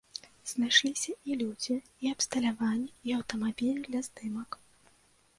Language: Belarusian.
Знайшліся і людзі, і абсталяванне, і аўтамабілі для здымак.